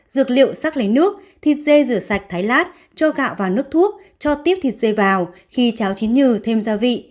dược liệu xác lấy nước thịt dê rửa sạch thái lát cho gạo và nước thuốc cho tiếp thịt dê vào khi cháo chín nhừ thêm gia vị